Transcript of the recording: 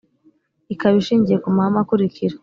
ikaba ishingiye ku mahame akurikira: